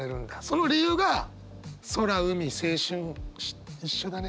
その理由が空海青春一緒だねって。